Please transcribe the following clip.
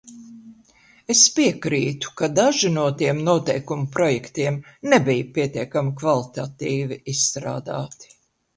Es piekrītu, ka daži no tiem noteikumu projektiem nebija pietiekami kvalitatīvi izstrādāti.